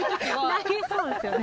投げそうですよね。